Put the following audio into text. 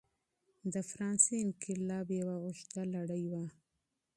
د فرانسې انقلاب یوه اوږده لړۍ وه.